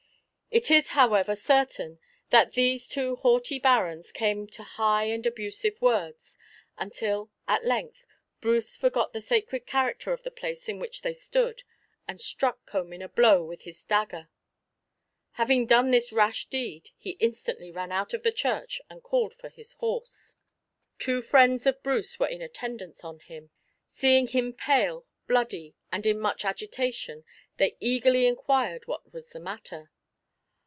It is, however, certain, that these two haughty barons came to high and abusive words, until at length Bruce forgot the sacred character of the place in which they stood, and struck Comyn a blow with his dagger. Having done this rash deed, he instantly ran out of the church and called for his horse. Two friends of Bruce were in attendance on him. Seeing him pale, bloody, and in much agitation they eagerly inquired what was the matter.